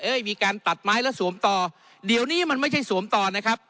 มีการตัดไม้แล้วสวมต่อเดี๋ยวนี้มันไม่ใช่สวมต่อนะครับ